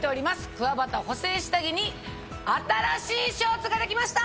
くわばた補整下着に新しいショーツができました！